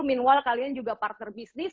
minual kalian juga partner bisnis